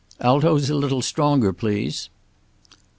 "Altos a little stronger, please."